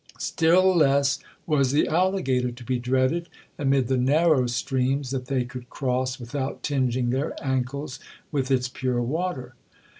Still less was the alligator to be dreaded, amid the narrow streams that they could cross without tinging their ancles with its pure water.